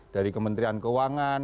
dari kementerian keuangan